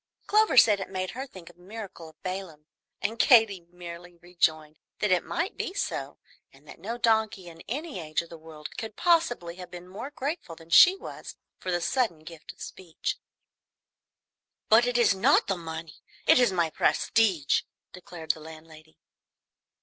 Clover said it made her think of the miracle of Balaam; and Katy merrily rejoined that it might be so, and that no donkey in any age of the world could possibly have been more grateful than was she for the sudden gift of speech. "But it is not the money, it is my prestige," declared the landlady.